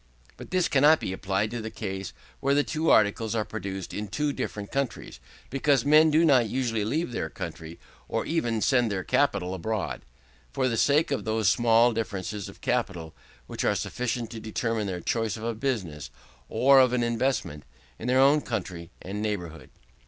But this cannot be applied to the case where the two articles are produced in two different countries; because men do not usually leave their country, or even send their capital abroad, for the sake of those small differences of profit which are sufficient to determine their choice of a business, or of an investment, in their own country and neighbourhood.